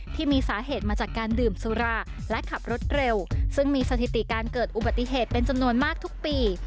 ที่มีสาเหตุมาจากการดื่มสุราและขับรถเร็วซึ่งมีสถิติการเกิดอุบัติเหตุเป็นจำนวนมากทุกปี